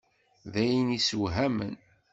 D ayen isewhamen.